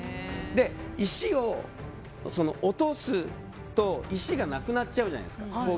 石を落とすと石がなくなっちゃうじゃないですか。